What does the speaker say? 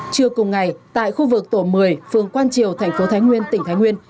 chưa cùng ngày tại khu vực tổ một mươi phường quan triều thành phố thái nguyên tỉnh thái nguyên